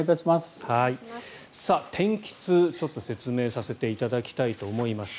天気痛、ちょっと説明させていただきたいと思います。